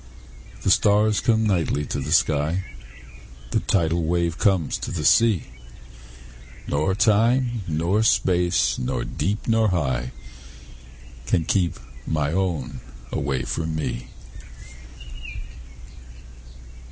The stars come nightly to the sky, The tidal wave comes to the sea; Nor time, nor space, nor deep, nor high, Can keep my own away from me.